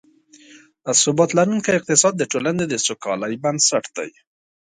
ثبات لرونکی اقتصاد، د ټولنې د سوکالۍ بنسټ دی